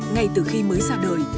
ngay từ khi mới ra đời